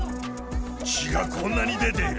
血がこんなに出ている。